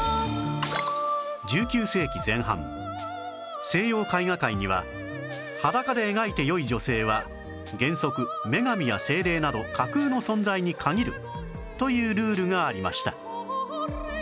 １９世紀前半西洋絵画界には裸で描いてよい女性は原則女神や精霊など架空の存在に限るというルールがありました